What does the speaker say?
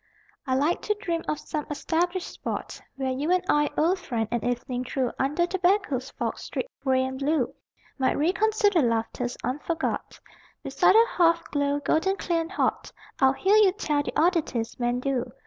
I like to dream of some established spot Where you and I, old friend, an evening through Under tobacco's fog, streaked gray and blue, Might reconsider laughters unforgot. Beside a hearth glow, golden clear and hot, I'd hear you tell the oddities men do.